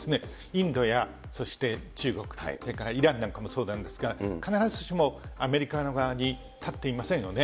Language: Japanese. インドやそして中国、それからイランなんかもそうなんですが、必ずしもアメリカの側に立っていませんよね。